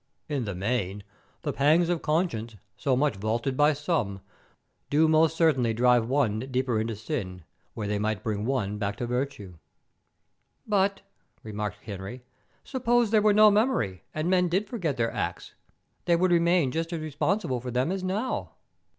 In the main, the pangs of conscience, so much vaunted by some, do most certainly drive ten deeper into sin where they bring one back to virtue." "But," remarked Henry, "suppose there were no memory, and men did forget their acts, they would remain just as responsible for them as now."